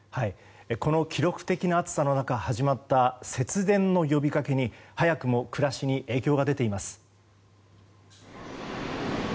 この記録的な暑さの中始まった節電の呼びかけに早くも暮らしに影響が出ています。